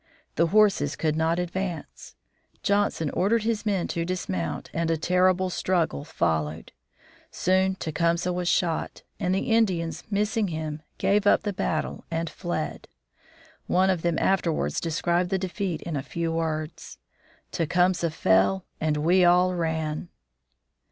The horses could not advance. Johnson ordered his men to dismount and a terrible struggle followed. Soon Tecumseh was shot, and, the Indians missing him, gave up the battle and fled. One of them afterwards described the defeat in a few words: "Tecumseh fell and we all ran."